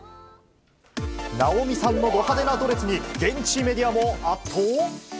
直美さんのど派手なドレスに、現地メディアも圧倒？